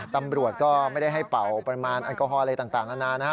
ตำรวจก็ไม่ได้ให้เป่าปริมาณแอลกอฮอลอะไรต่างนานานะฮะ